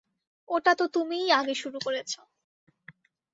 ওটা তো তুমিই আগে শুরু করেছ।